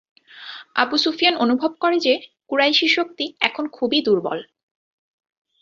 আবু সুফিয়ান অনুভব করে যে, কুরাইশী শক্তি এখন খুবই দুর্বল।